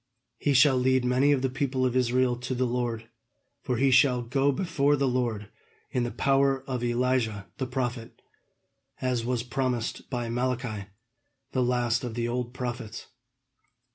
He shall lead many of the people of Israel to the Lord, for he shall go before the Lord in the power of Elijah the prophet, as was promised by Malachi, the last of the old prophets.